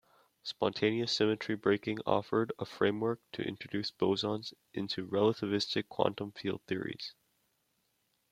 Spontaneous symmetry breaking offered a framework to introduce bosons into relativistic quantum field theories.